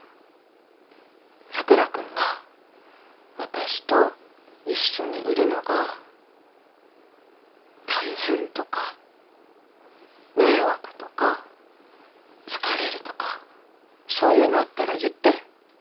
佐倉君が私と一緒にいるのが大変とか迷惑とか疲れるとかそういうのあったら言って。